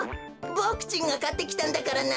ボクちんがかってきたんだからな。